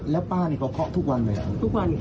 แล้วป้านี่เขาเคาะทุกวันไหมทุกวัน